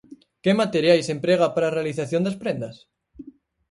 Que materiais emprega para a realización das prendas?